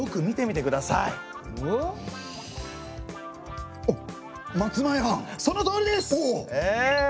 ただのそのとおりです。